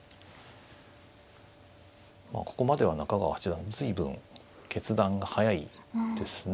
まあここまでは中川八段随分決断が速いですね。